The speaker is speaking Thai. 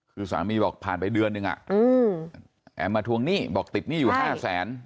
คือสามีบอกผ่านไปเดือนนึงแอมมาทวงหนี้บอกติดหนี้อยู่๕แสน